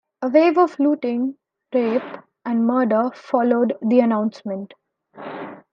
A wave of looting, rape, and murder followed the announcement.